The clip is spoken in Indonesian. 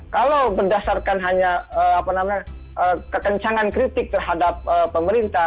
kalau berdasarkan hanya kekencangan kritik terhadap pemerintah